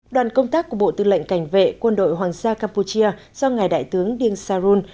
đoàn công tác của bộ tư lệnh cảnh vệ quân đội hoàng gia campuchia do ngài đại tướng diêng sa run